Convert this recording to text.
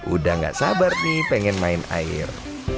udah gak sabar nih pengen main air